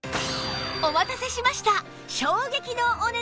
お待たせしました！